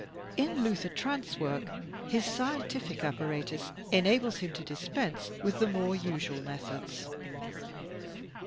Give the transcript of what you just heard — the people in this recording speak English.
In Luther Trant's work, his scientific apparatus enables him to dispense with the more usual methods.